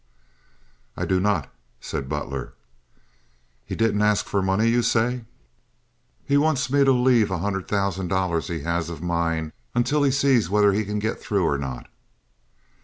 "I do not," said Butler. "He didn't ask for money, you say?" "He wants me to l'ave a hundred thousand he has of mine until he sees whether he can get through or not."